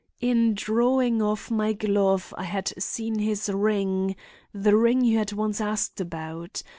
In drawing off my glove I had seen his ring—the ring you had once asked about.